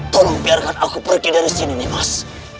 tolong biarkan aku pergi dari sini nimas